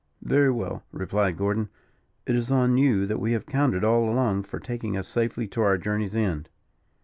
"Very well," replied Gordon. "It is on you that we have counted all along for taking us safely to our journey's end."